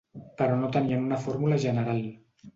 Però no tenien una fórmula general.